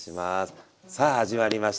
さあ始まりました。